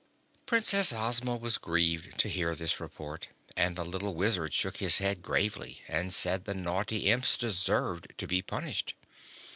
Princess Ozma was grieved to hear this report and the little Wizard shook his head gravely and said the naughty Imps deserved to be punished.